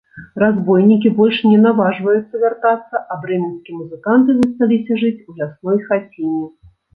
Разбойнікі больш не наважваюцца вяртацца, а брэменскія музыканты засталіся жыць у лясной хаціне.